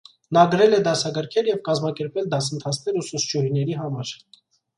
Նա գրել է դասագրքեր և կազմակերպել դասընթացներ ուսուցչուհիների համար։